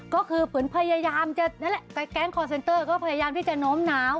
ก็คือมีคุณพยายามจะเพื่อก็พยายามที่จะแน้ว